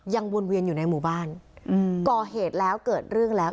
วนเวียนอยู่ในหมู่บ้านอืมก่อเหตุแล้วเกิดเรื่องแล้ว